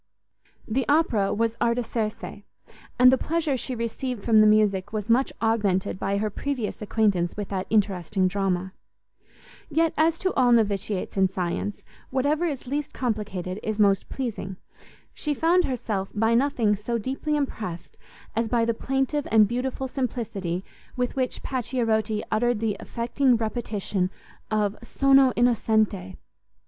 The opera was Artaserse; and the pleasure she received from the music was much augmented by her previous acquaintance with that interesting drama; yet, as to all noviciates in science, whatever is least complicated is most pleasing, she found herself by nothing so deeply impressed, as by the plaintive and beautiful simplicity with which Pacchierotti uttered the affecting repetition of sono innocente!